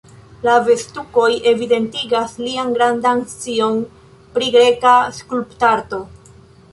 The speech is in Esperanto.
La vest-tukoj evidentigas lian grandan scion pri greka skulptarto.